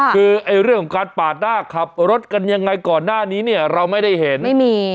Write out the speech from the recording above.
คือเรื่องของการปาดหน้าขับรถกันยังไงก่อนหน้านี้เนี่ยเราไม่ได้เห็นไม่มี